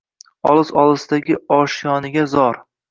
Olis-olisdagi oshiyoniga zor.